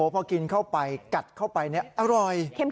พอกินกัดข้อไปเนี่ยอร่อย